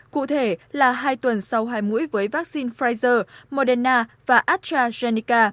cụ thể là hai tuần sau hai mũi với vaccine pfizer moderna và astrazeneca